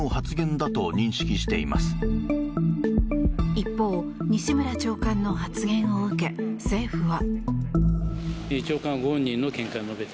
一方、西村長官の発言を受け政府は。